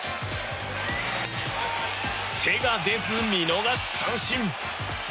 手が出ず、見逃し三振。